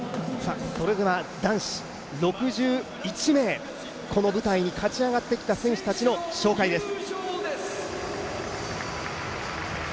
それでは男子６１名、この舞台に勝ち上がってきた選手たちの紹介です。